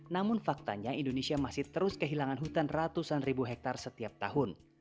namun faktanya indonesia masih terus kehilangan hutan ratusan ribu hektare setiap tahun